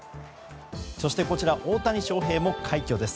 そしてこちら大谷翔平も快挙です。